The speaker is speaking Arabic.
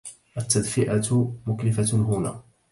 التدفئة مكلفة هنا.